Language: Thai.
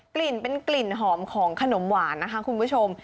กลิ่นเป็นกลิ่นหอมของขนมหวานนะคะคุณผู้ชม